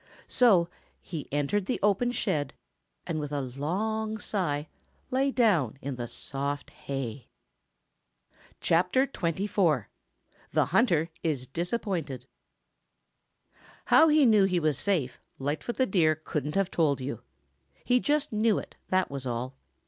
So he entered the open shed and with a long sigh lay down in the soft hay. CHAPTER XXIV THE HUNTER IS DISAPPOINTED How he knew he was safe, Lightfoot the Deer couldn't have told you. He just knew it, that was all.